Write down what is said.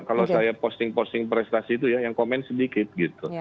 kalau saya posting posting prestasi itu ya yang komen sedikit gitu